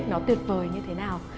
nó tuyệt vời như thế nào